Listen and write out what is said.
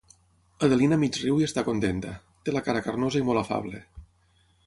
Adelina mig-riu i està contenta; té la cara carnosa i molt afable.